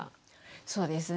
そうですね。